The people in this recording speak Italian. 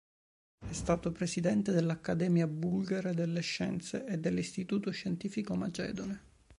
È stato presidente dell'Accademia bulgara delle scienze e dell'Istituto scientifico macedone.